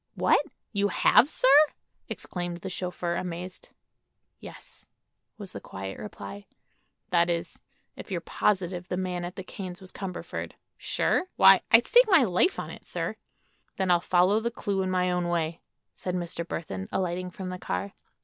"What! you have, sir?" exclaimed the chauffeur, amazed. "Yes," was the quiet reply. "That is, if you're positive the man at the Kanes was Cumberford." "Sure? Why, I'd stake my life on it, sir." "Then I'll follow the clue in my own way," said Mr. Burthon, alighting from the car.